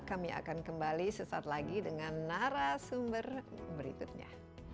kami akan kembali sesaat lagi dengan narasumber berikutnya